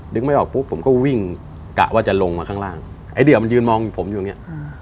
ดึงไม่ออกปุ๊บผมก็วิ่งกะว่าจะลงมาข้างล่างไอเดี่ยมันยืนมองผมอยู่ตรงนี้